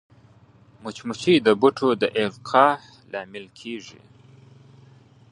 مچمچۍ د بوټو د القاح لامل کېږي